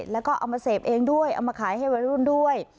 แล้วก็เอามาเสพเองด้วยเอามาขายให้วัยรุ่นด้วย